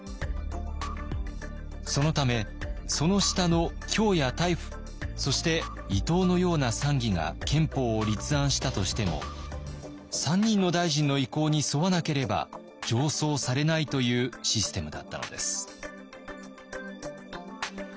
そのためその下の卿や大輔そして伊藤のような参議が憲法を立案したとしても３人の大臣の意向に沿わなければ上奏されないというシステムだったのです。